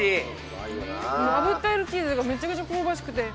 あぶってあるチーズがめちゃくちゃ香ばしくて。